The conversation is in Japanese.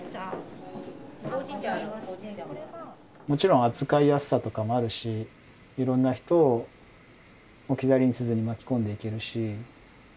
もちろん扱いやすさとかもあるしいろんな人を置き去りにせずに巻き込んでいけるし。